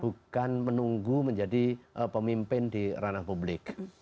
bukan menunggu menjadi pemimpin di ranah publik